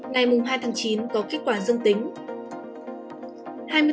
ngày hai tháng chín có kết quả dương tính